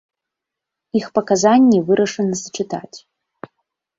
Іх паказанні вырашана зачытаць.